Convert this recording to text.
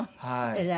偉い。